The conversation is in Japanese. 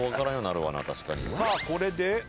さあこれで。